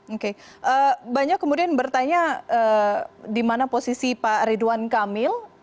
oke banyak kemudian bertanya di mana posisi pak ridwan kamil